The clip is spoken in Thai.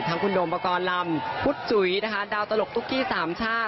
คุณโดมปกรณ์ลำพุทธจุ๋ยนะคะดาวตลกตุ๊กกี้สามชาติ